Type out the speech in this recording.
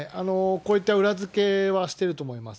こういった裏付けはしてると思います。